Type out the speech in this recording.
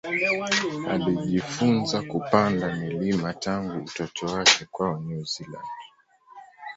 Alijifunza kupanda milima tangu utoto wake kwao New Zealand.